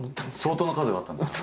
相当な数があったんですか？